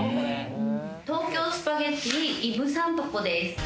東京スパゲッティイブサントコです。